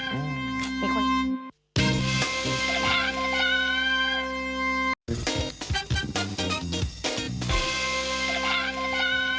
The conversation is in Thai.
มีคน